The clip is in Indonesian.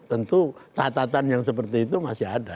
tentu catatan yang seperti itu masih ada